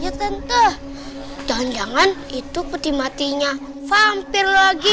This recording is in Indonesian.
ya tentu jangan jangan itu putih matinya pampir lagi